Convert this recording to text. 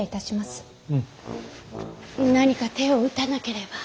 何か手を打たなければ。